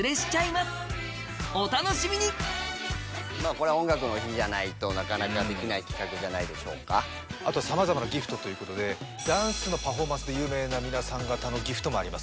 これは「音楽の日」じゃないとなかなかできない企画じゃないでしょうかあと様々なギフトということでダンスのパフォーマンスで有名な皆さん方のギフトもあります